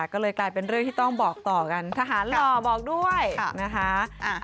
ก็เลยกลายเป็นเรื่องที่ต้องบอกต่อกันทหารหล่อบอกด้วยนะคะ